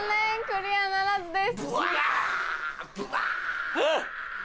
残念クリアならずです。